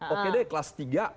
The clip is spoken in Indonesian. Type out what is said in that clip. oke deh kelas tiga